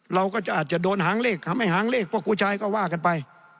เราก็จะอาจจะโดนหางเลขทำให้หางเลขพวกผู้ชายก็ว่ากันไป